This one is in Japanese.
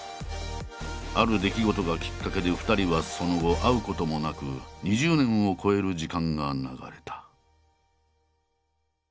ある出来事がきっかけで２人はその後会うこともなく２０年を超える時間が流れた。